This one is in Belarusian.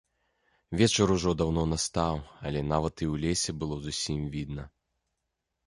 Вечар ужо даўно настаў, але нават і ў лесе было зусім відна.